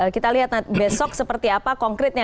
kita lihat besok seperti apa konkretnya